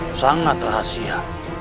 itu sangat rahasia